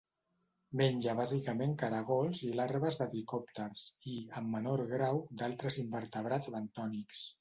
Menja bàsicament caragols i larves de tricòpters, i, en menor grau, d'altres invertebrats bentònics.